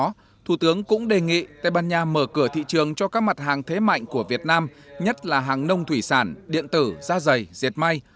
trong đó thủ tướng cũng đề nghị tây ban nha mở cửa thị trường cho các mặt hàng thế mạnh của việt nam nhất là hàng nông thủy sản điện tử da dày diệt may